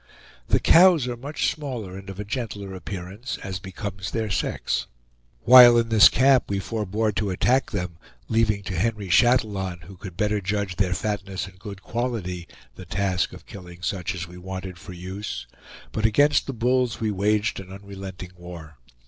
The cows are much smaller and of a gentler appearance, as becomes their sex. While in this camp we forebore to attack them, leaving to Henry Chatillon, who could better judge their fatness and good quality, the task of killing such as we wanted for use; but against the bulls we waged an unrelenting war.